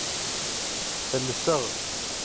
Felseɣ.